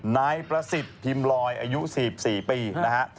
นายประสิทธิ์พิมพ์ลอยอายุ๔๔ปีนะฮะ